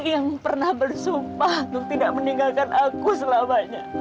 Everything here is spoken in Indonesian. yang pernah bersumpah untuk tidak meninggalkan aku selamanya